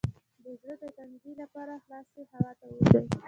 د زړه د تنګي لپاره خلاصې هوا ته ووځئ